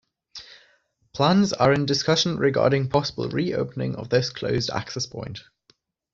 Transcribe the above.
Plans are in discussion regarding possible re-opening of this closed access point.